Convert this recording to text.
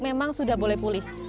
memang sudah boleh pulih